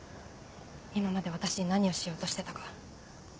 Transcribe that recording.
今まで私に何をしようとしてたか。